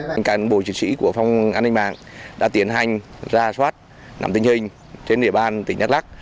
cảnh sát hình sự công an tỉnh đắk lắk đã tiến hành ra soát nằm tình hình trên địa bàn tỉnh đắk lắk